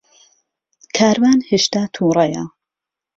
کاروان ھێشتا تووڕەیە.